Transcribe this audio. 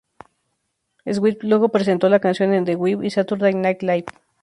Swift luego presentó la canción en "The View" y "Saturday Night Live".